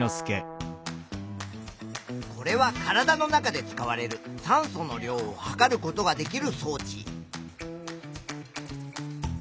これは体の中で使われる酸素の量を測ることができる装置。